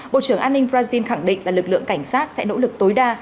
bộ trưởng an ninh brazil khẳng định là lực lượng cảnh sát sẽ nỗ lực tối đa